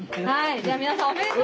じゃあ皆さんおめでとう。